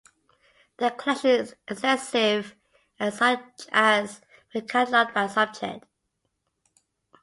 The collection is extensive and as such has been catalogued by subject.